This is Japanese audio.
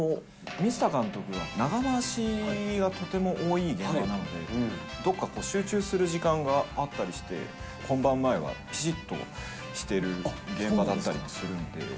水田監督は長回しがとても多い現場なので、どこかこう、集中する時間があったりして、本番前はぴしっとしてる現場だったりもするんで。